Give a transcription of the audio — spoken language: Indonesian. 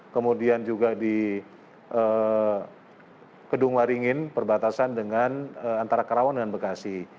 kemudian juga di kedung waringin perbatasan dengan antara karawang dan bekasi